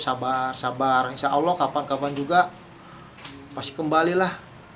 sabar sabar insya allah kapan kapan juga pasti kembali lah